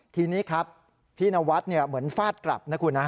ทีนี้ครับพี่นวัดเหมือนฟาดกลับนะคุณนะ